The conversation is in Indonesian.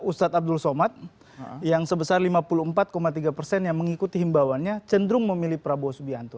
ustadz abdul somad yang sebesar lima puluh empat tiga persen yang mengikuti himbawannya cenderung memilih prabowo subianto